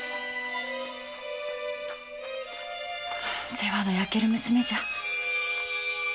世話の焼ける娘じゃ！